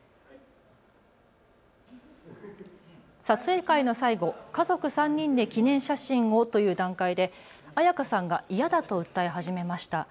撮影会の最後、家族３人で記念写真をという段階で彩花さんが嫌だと訴え始めました。